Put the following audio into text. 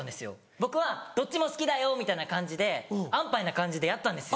僕は「どっちも好きだよ」みたいな感じで安パイな感じでやったんですよ。